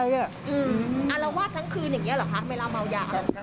อารวาสทั้งคืนอย่างนี้หรือครับเมลามัวยา